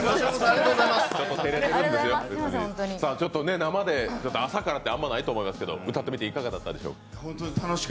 生で朝からってあんまないと思いますけど、歌ってみていかがだったでしょうか？